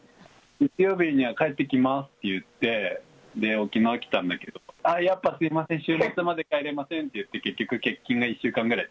月曜日には帰ってきますって言って、沖縄来たんだけど、ああ、やっぱ週末まで帰れませんって言って、結局、欠勤が１週間くらい。